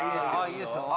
いいですよ。